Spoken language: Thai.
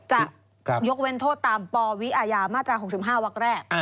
จะยกเว้นโทษตามปวิอาญามาตรา๖๕วักแรก